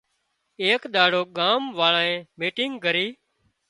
ايڪ ۮاڙو ڳام وازنئي ميٽنگ ڪرِي